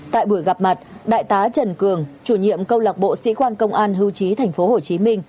tại buổi gặp mặt đại tá trần cường chủ nhiệm câu lạc bộ sĩ quan công an hưu trí tp hcm